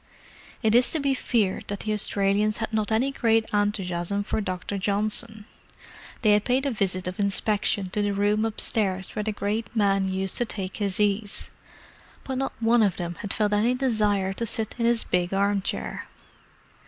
It is to be feared that the Australians had not any great enthusiasm for Dr. Johnson. They had paid a visit of inspection to the room upstairs where the great man used to take his ease, but not one of them had felt any desire to sit in his big armchair.